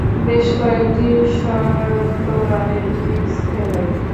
বেশ কয়েকটি শতরানের ইনিংস খেলেন।